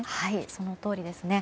そのとおりですね。